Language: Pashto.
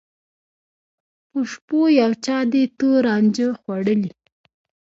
په شپو یو چا دي تور رانجه خوړلي